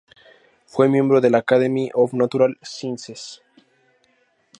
Fue miembro de la Academy of Natural Sciences.